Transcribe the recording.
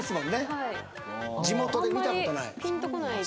はい地元で見たことない？